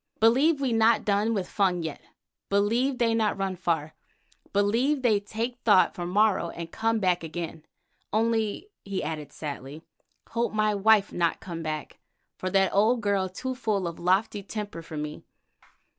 Believe we not done with Fung yet, believe they not run far. Believe they take thought for morrow and come back again. Only," he added sadly, "hope my wife not come back, for that old girl too full of lofty temper for me.